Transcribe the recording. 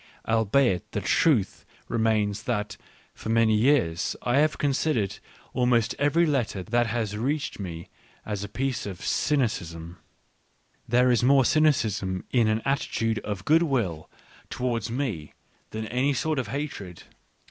Albeit, the truth remains that for many years I have considered almost every letter that has reached me as a piece of cynicism. There is more cynicism in an attitude 1 Digitized by Google 130 ECCE HOMO of goodwill towards me than in any sort of hatred.